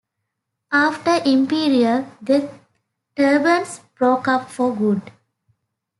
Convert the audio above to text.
After Imperial, the Turbans broke up for good.